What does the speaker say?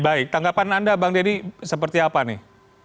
baik tanggapan anda bang deddy seperti apa nih